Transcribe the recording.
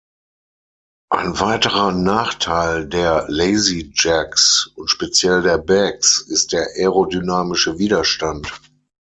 Ein weiterer Nachteil der Lazy-Jacks und speziell der Bags ist der aerodynamische Widerstand.